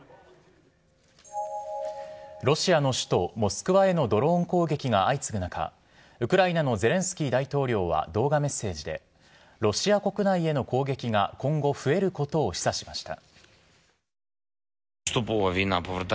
ロシアの首都モスクワへのドローン攻撃が相次ぐ中、ウクライナのゼレンスキー大統領は動画メッセージで、ロシア国内への攻撃が今後、増えることを示唆しました。